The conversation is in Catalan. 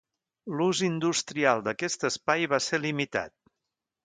L'ús industrial d'aquest espai va ser limitat.